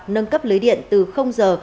nâng cấp lưới điện từ giờ